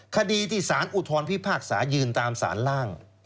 คดีที่สารอุทธรพิพากษายืนตามสารล่าง